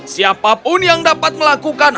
siapapun yang dapat melakukan